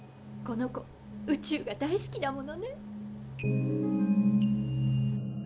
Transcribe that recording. この子宇宙が大好きだものね。